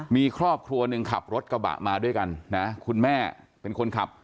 มีครอบครัวหนึ่งขับรถกระบะมาด้วยกันนะคุณแม่เป็นคนขับ